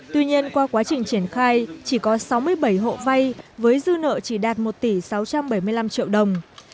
tuy nhiên qua quá trình triển khai chỉ có sáu mươi bảy hộ vay với dư nợ chỉ đạt một tỷ sáu trăm bảy mươi năm triệu đồng